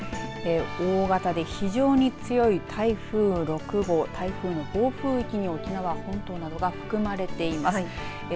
大型で非常に強い台風６号台風の暴風域に沖縄本島などが含まれています。